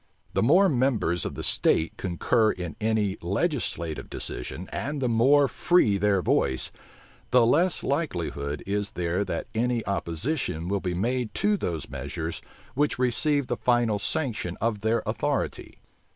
The more members of the state concur in any legislative decision, and the more free their voice, the less likelihood is there that any opposition will be made to those measures which receive the final sanction of their authority.